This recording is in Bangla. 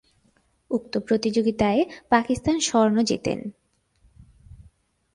উক্ত প্রতিযোগীতায় পাকিস্তান স্বর্ণ জিতেন।